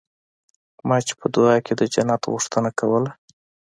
ما چې په دعا کښې د جنت غوښتنه کوله.